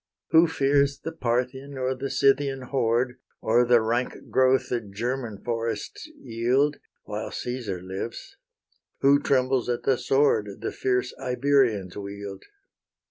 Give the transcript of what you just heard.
Who fears the Parthian or the Scythian horde, Or the rank growth that German forests yield, While Caesar lives? who trembles at the sword The fierce Iberians wield?